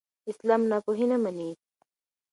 اسلام ناپوهي نه مني.